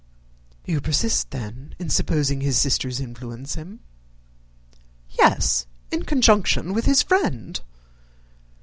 "You persist, then, in supposing his sisters influence him?" "Yes, in conjunction with his friend."